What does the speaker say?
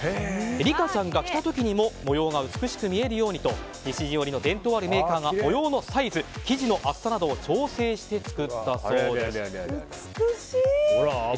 リカちゃんが着た時にも模様が美しく見えるようにと西陣織の伝統あるメーカーが模様のサイズ生地の厚さなどを調整して美しい！